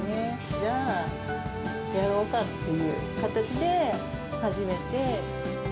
じゃあやろうかっていう形で始めて。